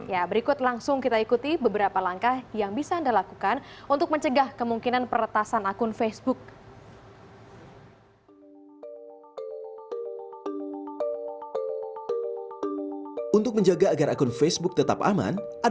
ya berikut langsung kita ikuti beberapa langkah yang bisa anda lakukan untuk mencegah kemungkinan peretasan akun facebook